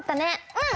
うん！